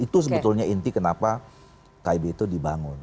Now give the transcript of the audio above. itu sebetulnya inti kenapa kib itu dibangun